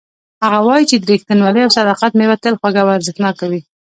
هغه وایي چې د ریښتینولۍ او صداقت میوه تل خوږه او ارزښتناکه وي